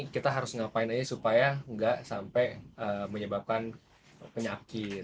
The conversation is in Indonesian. kita harus ngapain aja supaya nggak sampai menyebabkan penyakit